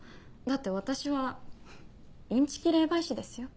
だって私はインチキ霊媒師ですよ。